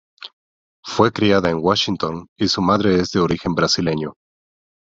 Fue criada en Washington y su madre es de origen brasileño.